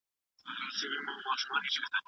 موږ بايد د ټولني د ارتقا لپاره فکر وکړو.